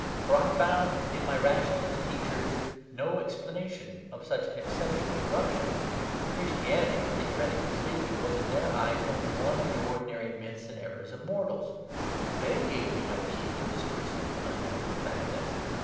For I found in my rationalist teachers no explanation of such exceptional corruption. Christianity (theoretically speaking) was in their eyes only one of the ordinary myths and errors of mortals. THEY gave me no key to this twisted and unnatural badness.